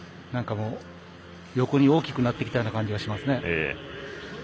横に大きくなってきたような感じがしますね。